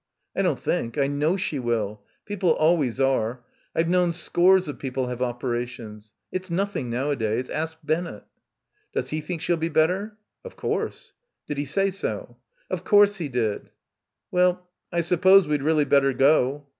"I don't think, I know she will; people always are. I've known scores of people have operations. It's nothing nowadays. Ask Bennett." "Does he think she'll be better?" — 219 — PILGRIMAGE "Of course." "Did he say so?" "Of course he did." "Well, I s'pose we'd really better go."